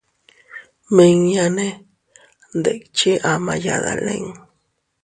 Miña nee ndikche ama yadalin.